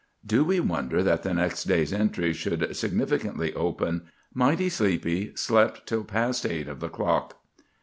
Do we wonder that the next day's entry should significantly open—"Mighty sleepy; slept till past eight of the clock"?